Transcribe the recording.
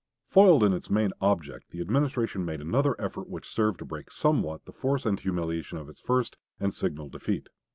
Foiled in its main object, the Administration made another effort which served to break somewhat the force and humiliation of its first and signal defeat.